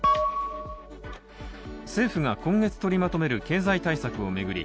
政府が今月取りまとめる経済対策を巡り